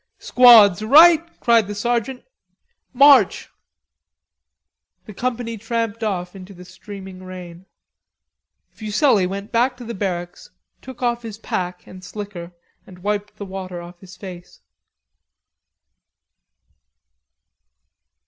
"Squads, right," cried the sergeant. "March!" The company tramped off into the streaming rain. Fuselli went back to the barracks, took off his pack and slicker and wiped the water off his face.